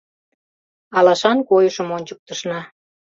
Алашан койышым ончыктышна.